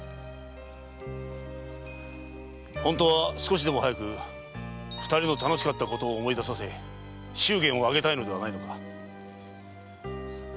本当は少しでも早く二人の楽しかったことを思い出させ祝言を挙げたいのではないのか？